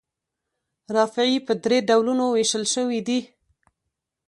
رافعې په درې ډولونو ویشل شوي دي.